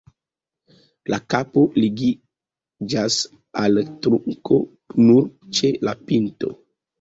La kapo ligiĝas al trunko nur ĉe la pinto.